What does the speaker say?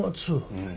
うん。